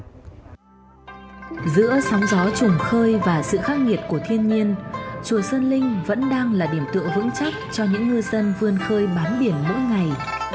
giữa sóng gió trùng khơi và sự khắc nghiệt của thiên nhiên chùa sơn linh vẫn đang là điểm tựa vững chắc cho những ngư dân vươn khơi bám biển mỗi ngày